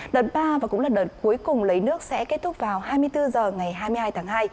đợt ba và cũng là đợt cuối cùng lấy nước sẽ kết thúc vào hai mươi bốn h ngày hai mươi hai tháng hai